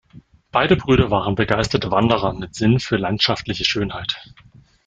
Beide Brüder waren begeisterte Wanderer mit Sinn für landschaftliche Schönheit.